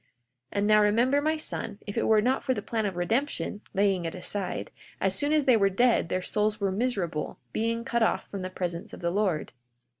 42:11 And now remember, my son, if it were not for the plan of redemption, (laying it aside) as soon as they were dead their souls were miserable, being cut off from the presence of the Lord.